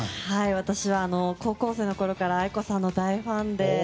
私は高校生のころからａｉｋｏさんの大ファンで。